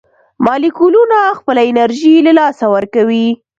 مالیکولونه خپله انرژي له لاسه ورکوي.